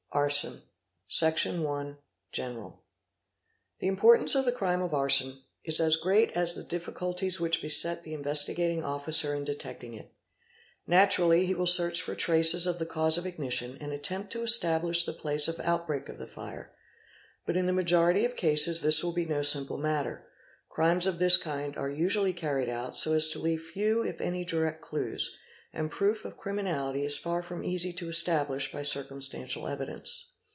ARSON. Section i.—General. The importance of the crime of arson is as great as the difficulties which beset the Investigating Officer in detecting it 0 123, Naturally he will search for traces of the cause of ignition and attempt to establish the place of outbreak of the fire, but in the majority of cases this will be no simple matter; crimes of this kind are usually carried out so as to leave few if any direct clues, and proof of criminality is far from easy to establish by circumstantial evidence.